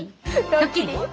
ドッキリ？